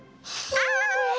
ああ！